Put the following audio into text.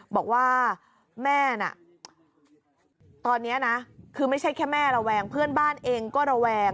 บอกว่าแม่น่ะตอนนี้นะคือไม่ใช่แค่แม่ระแวงเพื่อนบ้านเองก็ระแวง